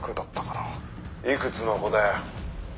「いくつの子だよ」